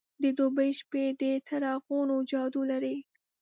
د دوبی شپې د څراغونو جادو لري.